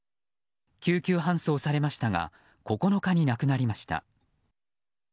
救急搬送されましたが９日に亡くなりました。